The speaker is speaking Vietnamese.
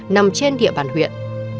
nằm trên địa bàn huyện